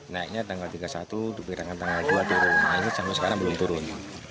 naiknya tanggal tiga puluh satu diperkirakan tanggal dua turun nah ini sampai sekarang belum turun